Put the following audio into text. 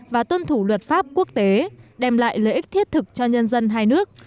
và tuân thủ luật pháp quốc tế đem lại lợi ích thiết thực cho nhân dân hai nước